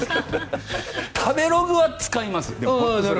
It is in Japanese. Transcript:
食べログは使います。